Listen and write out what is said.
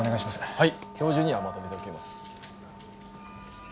はい今日中にはまとめておきます。